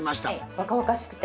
若々しくて。